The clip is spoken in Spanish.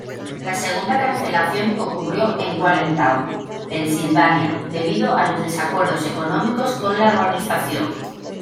La segunda cancelación ocurrió en Allentown, Pensilvania, debido a desacuerdos económicos con la organización.